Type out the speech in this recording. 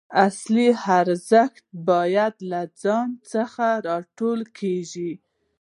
اصلي ارزښت باید له ځان څخه راټوکېږي.